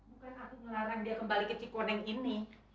bukan aku melarang dia kembali ke cik koneng ini